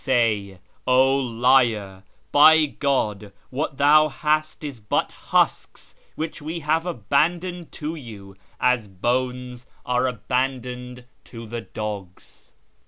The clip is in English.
Say, ' 0 liar ! By God, ichat thou hast is but husks which ice have abandoned, to you as bones arc abandoned to the dogs.'